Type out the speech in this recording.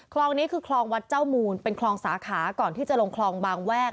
คลองนี้คือคลองวัดเจ้ามูลเป็นคลองสาขาก่อนที่จะลงคลองบางแวก